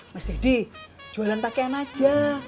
mas deddy jualan pakaian aja